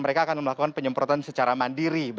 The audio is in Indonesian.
mereka akan melakukan penyemprotan secara mandiri